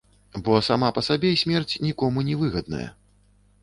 Бо сама па сабе смерць нікому не выгадная.